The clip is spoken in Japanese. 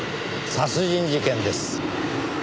殺人事件です。